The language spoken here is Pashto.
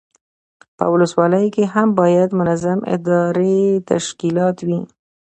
په ولسوالیو کې هم باید منظم اداري تشکیلات وي.